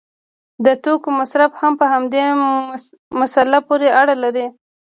د توکو مصرف هم په همدې مسله پورې اړه لري.